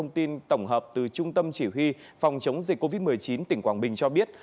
tổng hợp từ trung tâm chỉ huy phòng chống dịch covid một mươi chín tỉnh quảng bình cho biết